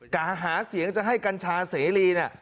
การหาเสียงจะให้กัญชาเสรีน่ะ